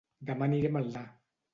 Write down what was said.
Dema aniré a Maldà